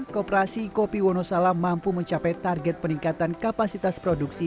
koperasi kopi wonosalam mampu mencapai target peningkatan kapasitas produksi